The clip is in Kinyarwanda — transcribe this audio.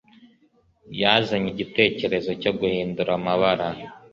yazanye igitekerezo cyo guhindura amabara